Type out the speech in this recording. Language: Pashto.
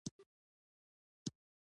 نیوکه